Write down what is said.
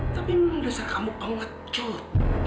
tapi mendesak kamu pengecut